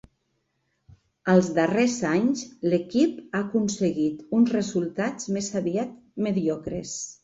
Els darrers anys, l'equip ha aconseguit uns resultats més aviat mediocres.